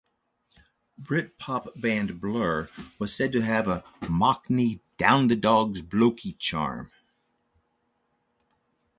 Britpop band Blur was said to have a "mockney, down-the-dogs blokey charm".